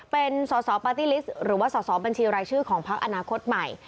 เป็นสอสอปาร์ตี้ลิสต์หรือว่าสอบบัญชีรายชื่อของพักอนาคตใหม่